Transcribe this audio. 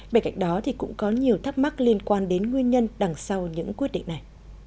bên cạnh đó thì cũng có nhiều thắc mắc liên quan đến nguyên nhân đằng sau những quyết định này